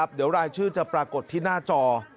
เดี๋ยวรายชื่อจะปรากฏที่หน้าจอ